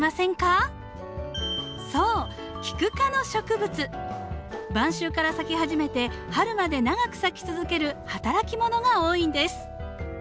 そう晩秋から咲き始めて春まで長く咲き続ける働き者が多いんです。